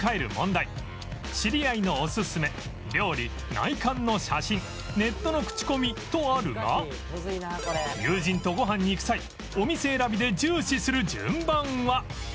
知り合いのおすすめ料理・内観の写真ネットの口コミとあるが友人とご飯に行く際お店選びで重視する順番は？